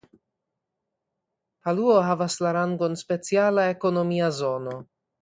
Paluo havas la rangon speciala ekonomia zono.